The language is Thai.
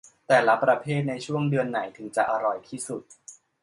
แต่ละประเภทในช่วงเดือนไหนถึงจะอร่อยที่สุด